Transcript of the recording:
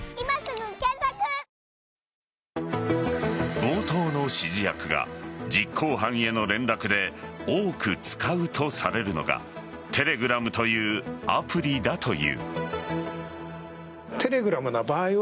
強盗の指示役が実行犯への連絡で多く使うとされるのがテレグラムというアプリだという。